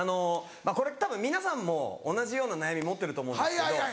これたぶん皆さんも同じような悩み持ってると思うんですけど。